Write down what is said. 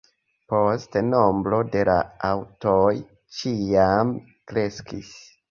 Poste nombro de la aŭtoj ĉiam kreskis.